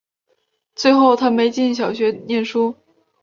最后她没进小学念书